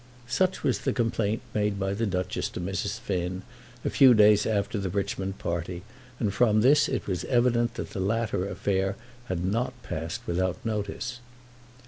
Such was the complaint made by the Duchess to Mrs. Finn a few days after the Richmond party, and from this it was evident that the latter affair had not passed without notice.